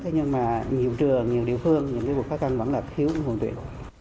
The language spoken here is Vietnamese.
nhưng mà nhiều trường nhiều địa phương những cái vùng khói canh vẫn là thiếu nguồn tuyển